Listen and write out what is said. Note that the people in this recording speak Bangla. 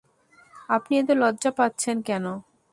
আপনি এত লজ্জা পাচ্ছেন কেন?